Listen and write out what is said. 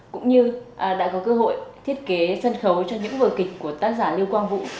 cũng như đã có cơ hội thiết kế sân khấu cho những vở kịch của tác giả lưu quang vũ